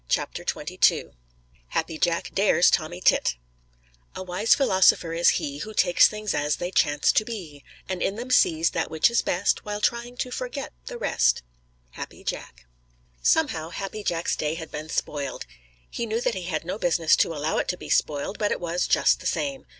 CHAPTER XXII HAPPY JACK DARES TOMMY TIT A wise philosopher is he Who takes things as they chance to be, And in them sees that which is best While trying to forget the rest. Happy Jack. Somehow Happy Jack's day had been spoiled. He knew that he had no business to allow it to be spoiled, but it was, just the same.